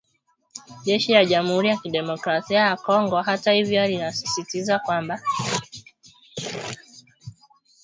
Jeshi la Jamuhuri ya Kidemokrasia ya Congo hata hivyo linasisitiza kwamba “wanajeshi hao wawili ni wanajeshi wa Rwanda"